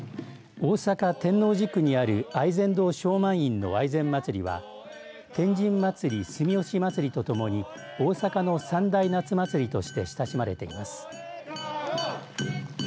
大阪、天王寺区にある愛染堂勝鬘院の愛染まつりは天神祭、住吉祭とともに大阪の三大夏祭りとして親しまれています。